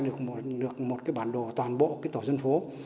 được một cái bản đồ toàn bộ cái tổ dân phố